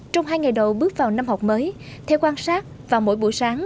trong hai ngày đầu bước vào năm học mới theo quan sát vào mỗi buổi sáng